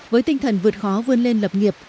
với tinh thần vượt khó vươn lên lập nghiệp